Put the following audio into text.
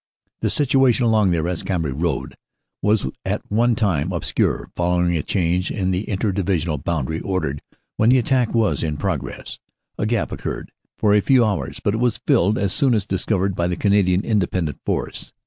"The situation along the Arras Cambrai road was at one time obscure, following a change in the Inter Divisional boundary ordered when the attack was in progress. A gap occurred for a few hours, but it was rilled as soon as discovered by the Canadian Independent Force.